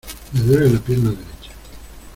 ¡Me duele la pierna derecha!